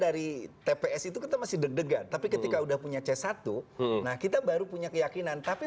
dari tps itu kita masih deg degan tapi ketika udah punya c satu nah kita baru punya keyakinan tapi